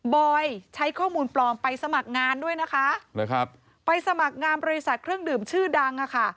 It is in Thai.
อยใช้ข้อมูลปลอมไปสมัครงานด้วยนะคะไปสมัครงานบริษัทเครื่องดื่มชื่อดังอ่ะค่ะ